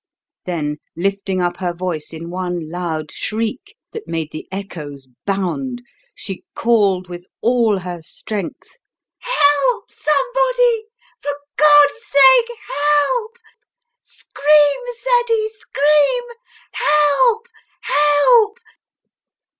Then, lifting up her voice in one loud shriek that made the echoes bound, she called with all her strength; "Help, somebody for God's sake help! Scream, Ceddie scream! Help! Help!"